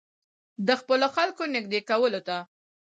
د خپلو خلکو نېږدې کولو ته.